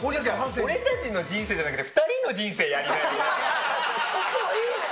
俺たちの人生じゃなくて、２人の人生やりなよ。